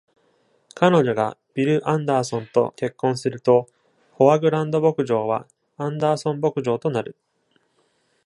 彼女がビル・アンダーソンと結婚すると、ホアグランド牧場はアンダーソン牧場となる。